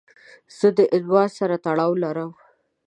زه د عنوان سره تړاو لرم.